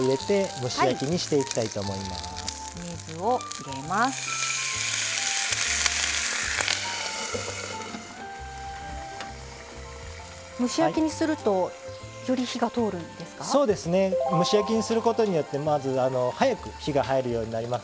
蒸し焼きにすることによってまず早く火が入るようになります。